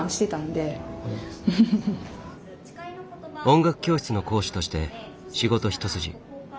音楽教室の講師として仕事一筋。